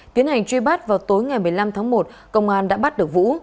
tiến hành truy bắt vào tối ngày một mươi năm tháng một công an đã bắt được vũ